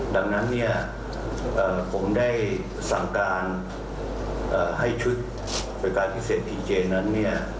ดังนั้นเนี่ยผมได้สั่งการให้ชุดบริการพิเศษพีเจนั้นเนี่ย